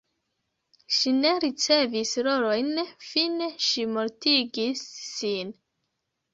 Ŝi ne ricevis rolojn, fine ŝi mortigis sin.